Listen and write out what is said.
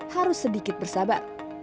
harus sedikit bersabar